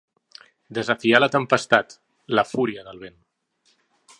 Desafiar la tempestat, la fúria del vent.